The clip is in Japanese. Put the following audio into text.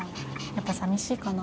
やっぱ寂しいかな。